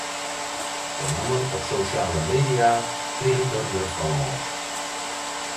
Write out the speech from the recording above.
Benammen op sosjale media kriget er der fan lâns.